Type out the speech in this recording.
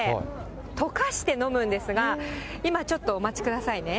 溶かして飲むんですが、今ちょっと、お待ちくださいね。